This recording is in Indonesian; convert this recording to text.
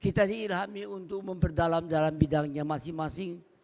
kita diilhami untuk memperdalam dalam bidangnya masing masing